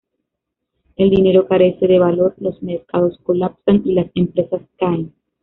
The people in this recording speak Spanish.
El dinero carece de valor, los mercados colapsan, y las empresas caen.